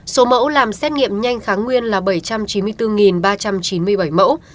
số mẫu làm xét nghiệm nhanh kháng nguyên là bảy trăm chín mươi bốn ba trăm chín mươi bảy mẫu